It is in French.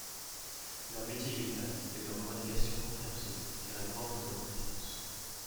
Leur métier est vital et leurs revendications compréhensibles car elles manquent de reconnaissance.